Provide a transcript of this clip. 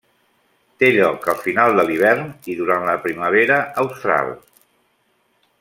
Té lloc al final de l'hivern i durant la primavera australs.